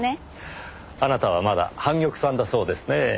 あなたはまだ半玉さんだそうですねぇ。